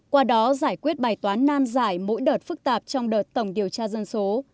qua đó giải quyết bài toán nam giải mỗi đợt phức tạp trong đợt tổng điều tra dân số